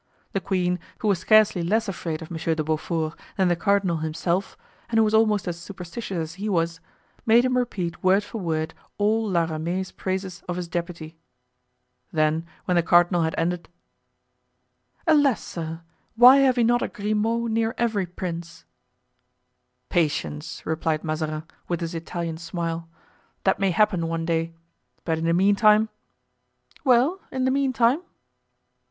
The queen, who was scarcely less afraid of Monsieur de Beaufort than the cardinal himself, and who was almost as superstitious as he was, made him repeat word for word all La Ramee's praises of his deputy. Then, when the cardinal had ended: "Alas, sir! why have we not a Grimaud near every prince?" "Patience!" replied Mazarin, with his Italian smile; "that may happen one day; but in the meantime——" "Well, in the meantime?"